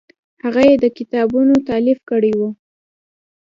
هغه یې د کتابونو تالیف کړی و.